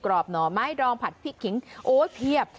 รอบหน่อไม้ดองผัดพริกขิงโอ้เพียบ